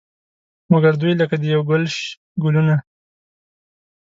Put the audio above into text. مګر دوی لکه د یو ګلش ګلونه.